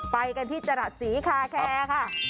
ไปกันที่จรัสศรีคาแคร์ค่ะ